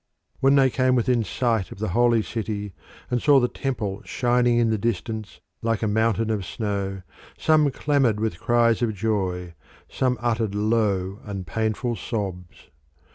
When they came within sight of the Holy City and saw the Temple shining in the distance like a mountain of snow, some clamoured with cries of joy, some uttered low and painful sobs.